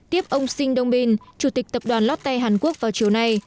tiếp ông sinh đông binh chủ tịch tập đoàn lotte hàn quốc vào chiều nay